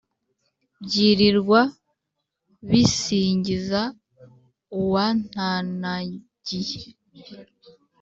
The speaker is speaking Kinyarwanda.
byilirwa bisingiza uwantanagiye.